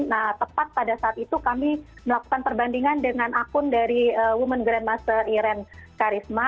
nah tepat pada saat itu kami melakukan perbandingan dengan akun dari women grandmaster iren karisma